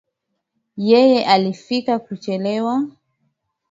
Yeye alifika kuchelewa